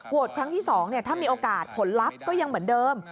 ครั้งที่๒ถ้ามีโอกาสผลลัพธ์ก็ยังเหมือนเดิม